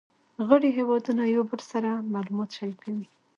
غړي هیوادونه یو بل سره معلومات شریکوي